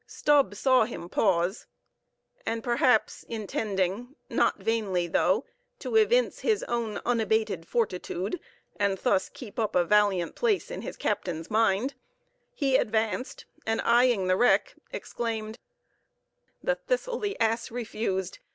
Stubb saw him pause; and perhaps intending, not vainly, though, to evince his own unabated fortitude, and thus keep up a valiant place in his captain's mind, he advanced, and eying the wreck exclaimed, "The thistle the ass refused.